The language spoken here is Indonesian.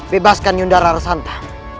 bebaskan yundara resanta